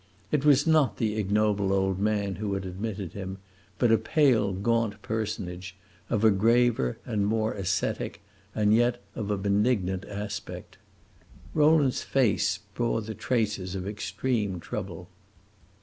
It was not the ignoble old man who had admitted him, but a pale, gaunt personage, of a graver and more ascetic, and yet of a benignant, aspect. Rowland's face bore the traces of extreme trouble.